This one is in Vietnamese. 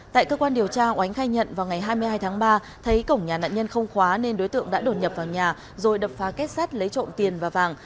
tại cơ quan điều tra oánh khai nhận vào ngày hai mươi hai tháng ba thấy cổng nhà nạn nhân không khóa nên đối tượng đã đột nhập vào nhà rồi đập phá kết sát lấy trộm tiền và vàng